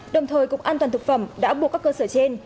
đồng thời cục an toàn thực phẩm đã buộc các cơ sở trên